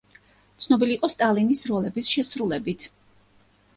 ცნობილი იყო სტალინის როლების შესრულებით.